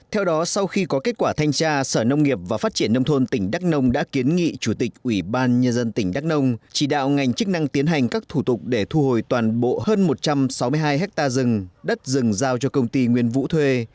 theo đó sau khi có kết quả thanh tra sở nông nghiệp và phát triển nông thôn tỉnh đắk nông đã kiến nghị chủ tịch ủy ban nhân dân tỉnh đắk nông chỉ đạo ngành chức năng tiến hành các thủ tục để thu hồi toàn bộ hơn một trăm sáu mươi hai ha rừng đất rừng giao cho công ty nguyên vũ thuê